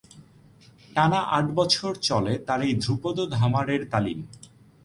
টানা আট বছর চলে তার এই ধ্রুপদ-ধামারের তালিম।